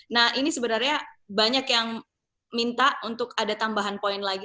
nah ini sebenarnya banyak yang minta untuk ada tambahan poin lagi